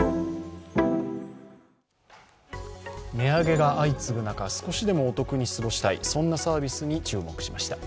値上げが相次ぐ中、少しでもお得に過ごしたい、そんなサービスに注目しました。